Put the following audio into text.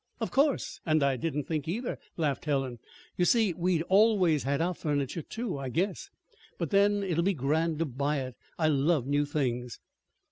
"Of course! And I didn't think, either," laughed Helen. "You see, we'd always had our furniture, too, I guess. But then, it'll be grand to buy it. I love new things!"